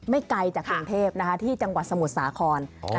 ไกลจากกรุงเทพที่จังหวัดสมุทรสาคร